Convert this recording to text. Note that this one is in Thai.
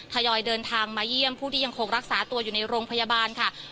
ทยอยเดินทางมาเยี่ยมผู้ที่ยังคงรักษาตัวอยู่ในโรงพยาบาลค่ะ